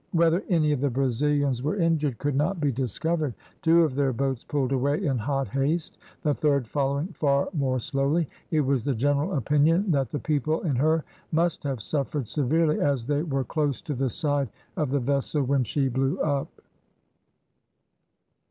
Whether any of the Brazilians were injured could not be discovered; two of their boats pulled away in hot haste, the third following far more slowly. It was the general opinion that the people in her must have suffered severely, as they were close to the side of the vessel when she blew up.